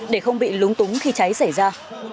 để không bị lúng túng khi cháy xảy ra